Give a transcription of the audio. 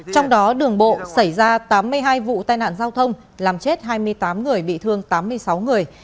trong đó đường bộ xảy ra tám mươi hai vụ tai nạn giao thông làm chết hai mươi tám người bị thương tám mươi sáu người